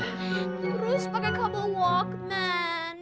terus pake kabel walkman